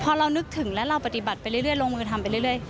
พอเรานึกถึงแล้วเราปฏิบัติไปเรื่อยลงมือทำไปเรื่อย